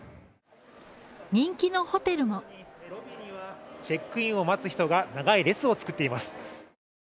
人気のホテルもチェックインを待つ人が長い列を作っています。